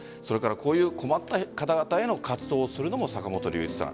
こういう困った方々への活動するのも坂本龍一さん。